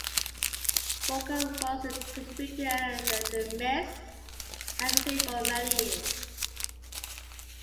Walker was a contributing editor to "Ms." magazine for many years.